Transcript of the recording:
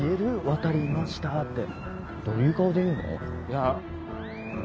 「渡いました！」ってどういう顔で言うの？やまぁ。